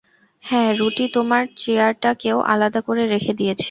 হ্যাঁ, রুটি তোমার চেয়ারটাকেও আলাদা করে রেখে দিয়েছে।